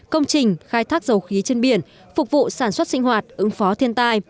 công trình khai thác dầu khí trên biển phục vụ sản xuất sinh hoạt ứng phó thiên tai